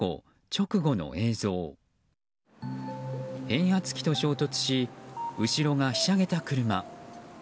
変圧器と衝突し後ろがひしゃげた車。